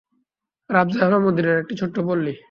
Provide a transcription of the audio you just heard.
রাবযা হল মদীনার একটি ছোট্ট পল্লী।